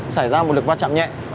sẽ xảy ra một lực va chạm nhẹ